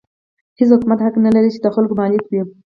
هېڅ حکومت حق نه لري چې د خلکو مالک وي.